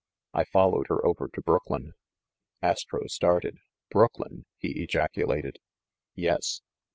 I followed her over to Brooklyn." Astro started. "Brooklyn?" he ejaculated. "Yes."